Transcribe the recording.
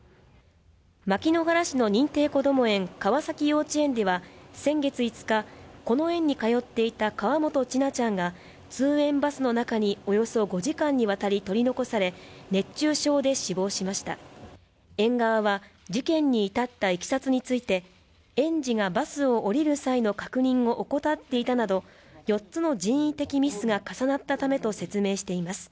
牧之原市の認定こども園川崎幼稚園では先月５日この園にかよっていた河本千奈ちゃんが通園バスの中におよそ５時間にわたり取り残され熱中症で死亡しました園側は事件に至った経緯について園児がバスを降りる際の確認を怠っていたなど４つの人為的ミスが重なったためと説明しています